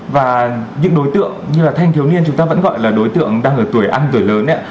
và những đối tượng như là thanh thiếu niên chúng ta vẫn gọi là đối tượng đang ở tuổi ăn tuổi lớn